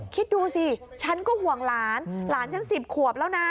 คิดดูสิฉันก็ห่วงหลานหลานฉัน๑๐ขวบแล้วนะ